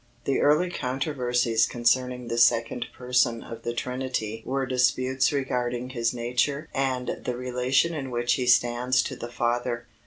The early controversies concerning the Second Person of the Trinity were disputes regarding His nature and the relation in which He stands to the Father.